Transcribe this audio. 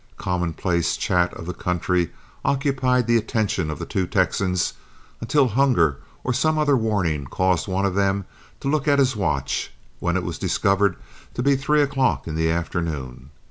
Commonplace chat of the country occupied the attention of the two Texans until hunger or some other warning caused one of them to look at his watch, when it was discovered to be three o'clock in the afternoon.